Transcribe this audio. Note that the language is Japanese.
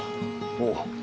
おう。